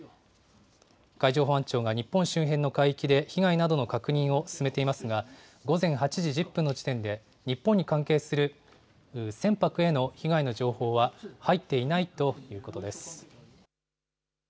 海上保安庁が日本周辺の海域で被害などの確認を進めていますが、午前８時１０分の時点で、日本に関係する船舶への被害の情報は入っていないということです。